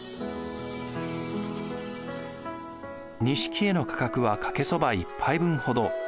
錦絵の価格はかけそば１杯分ほど。